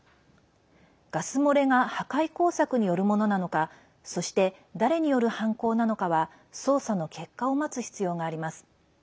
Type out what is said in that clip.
ガス漏れが破壊工作によるものなのかそして誰による犯行なのかは捜査の結果を待つ必要があります。